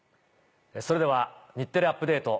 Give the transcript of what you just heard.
それでは『日テレアップＤａｔｅ！』